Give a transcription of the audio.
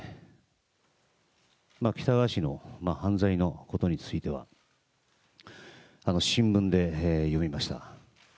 喜多川氏の犯罪のことについては、新聞で読みました。